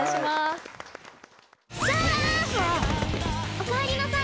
おかえりなさい。